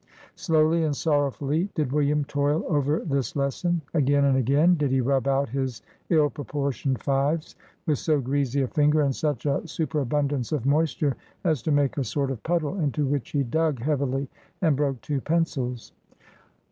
Slowly and sorrowfully did William toil over this lesson. Again and again did he rub out his ill proportioned fives, with so greasy a finger and such a superabundance of moisture as to make a sort of puddle, into which he dug heavily, and broke two pencils.